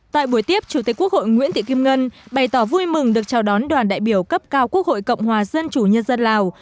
tại buổi tiếp chủ tịch quốc hội nguyễn thị kim ngân bày tỏ vui mừng được chào đón đoàn đại biểu cấp cao quốc hội cộng hòa dân chủ nhân dân lào